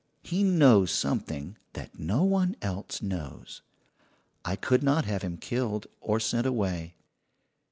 He knows something that no one else knows. I could not have him killed or sent away.